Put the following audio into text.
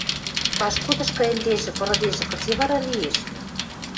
Пашкудышкы ӹндежӹ, пырыдежӹ, кыце вара лиэш!?